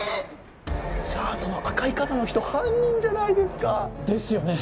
⁉じゃあその赤い傘の人犯人じゃないですか。ですよね。